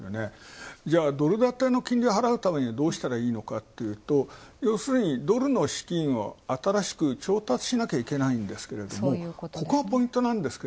じゃあドル建ての金利、払うためにはどうしたらいいかというと、要するにドルの資金を新しく調達しなきゃいけないんですが、そういうことですね。